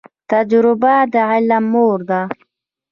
تجریبه د علم مور ده